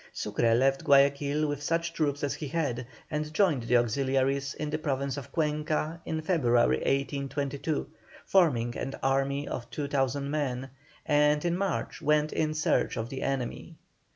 Sucre left Guayaquil with such troops as he had, and joined the auxiliaries in the Province of Cuenca in February, 1822, forming an army of 2,000 men, and in March went in search of the enemy.